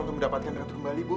gue mau mendapatkan ratu kembali bu